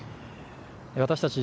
私たち